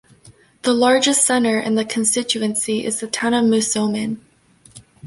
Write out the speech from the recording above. The largest centre in the constituency is the town of Moosomin.